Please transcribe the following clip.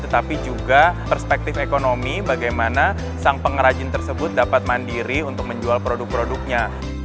tetapi juga perspektif ekonomi bagaimana sang pengrajin tersebut dapat mandiri untuk menjual produk produknya